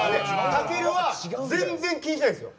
たけるは全然気にしないんですよ。